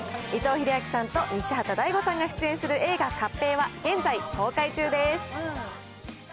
伊藤英明さんと西畑大吾さんが出演する映画、カッペイは現在公開中です。